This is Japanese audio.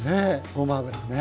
ごま油ね。